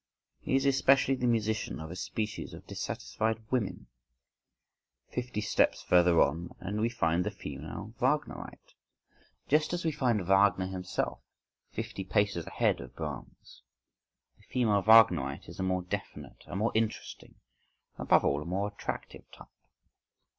He is especially the musician of a species of dissatisfied women. Fifty steps further on, and we find the female Wagnerite—just as we find Wagner himself fifty paces ahead of Brahms.—The female Wagnerite is a more definite, a more interesting, and above all, a more attractive type.